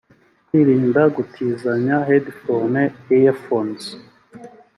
Kwirinda gutizanya headphones/earphones